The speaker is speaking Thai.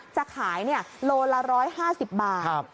จะขายโลละ๑๕๐บาท